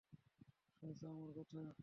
শুনছ আমার কথা?